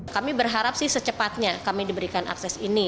kami berharap sih secepatnya kami diberikan akses ini